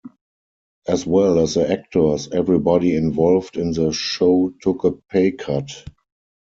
As well as the actors, everybody involved in the show took a pay cut.